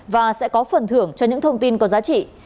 và sẽ có phần thưởng cho những thông tin có giá trị